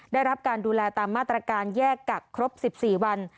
ได้รับการดูแลตามมาตรการแยกกักครบ๑๔วัน